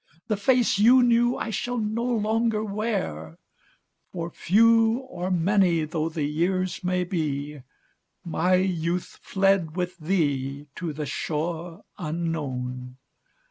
The face you knew I shall no longer wear ; For few or many though the years may be, My youth fled with thee to the shore unknown.